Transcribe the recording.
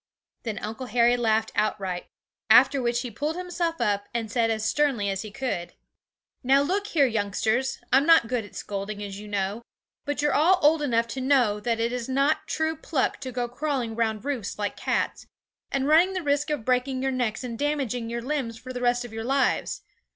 Then Uncle Harry laughed outright, after which he pulled himself up, and said as sternly as he could, 'Now look here, youngsters, I'm not good at scolding, as you know; but you're all old enough to know that it is not true pluck to go crawling round roofs like cats, and running the risks of breaking your necks and damaging your limbs for the rest of your lives.